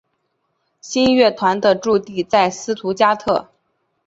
新乐团的驻地在斯图加特。